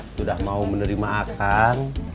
sudah mau menerima kak